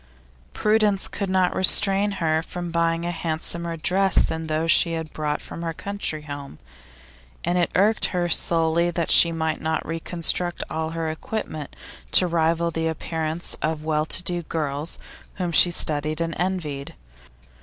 Prudence could not restrain her from buying a handsomer dress than those she had brought from her country home, and it irked her sorely that she might not reconstruct all her equipment to rival the appearance of well to do girls whom she studied and envied.